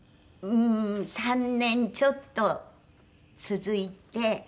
うーん３年ちょっと続いて。